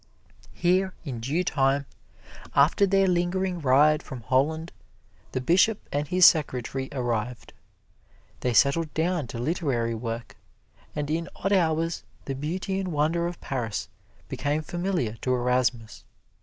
Here in due time, after their lingering ride from Holland, the Bishop and his secretary arrived. They settled down to literary work; and in odd hours the beauty and wonder of Paris became familiar to Erasmus.